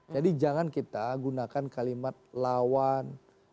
jadi jangan kita gunakan kalimat lawan